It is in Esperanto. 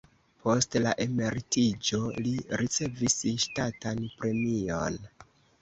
Post la emeritiĝo li ricevis ŝtatan premion.